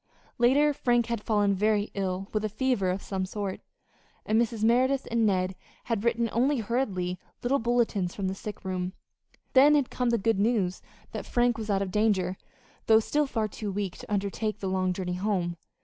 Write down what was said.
Later Frank had fallen very ill with a fever of some sort, and Mrs. Merideth and Ned had written only hurried little bulletins from the sick room. Then had come the good news that Frank was out of danger, though still far too weak to undertake the long journey home.